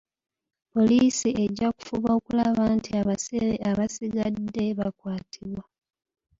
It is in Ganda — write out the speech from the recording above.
Poliisi ejja kufuba okulaba nti abasibe abasigadde bakwatibwa.